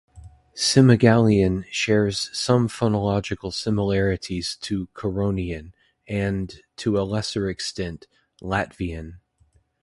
Semigallian shares some phonological similarities to Curonian, and, to a lesser extent, Latvian.